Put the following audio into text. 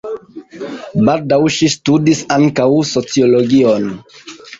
Baldaŭ ŝi studis ankaŭ sociologion.